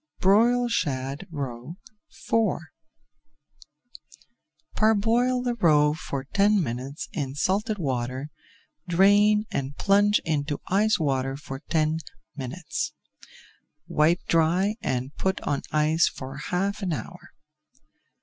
BROILED SHAD ROE IV Parboil the roe for ten minutes in salted water, drain, and plunge into ice water for ten minutes. Wipe dry and put on ice for half an hour.